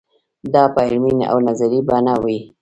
دا په عملي او نظري بڼه وي.